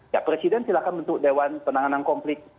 ya presiden silahkan bentuk dewan penanganan konflik